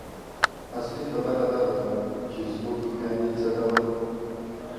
اصلي خبره دا ده چې زموږ خویندې څه ډول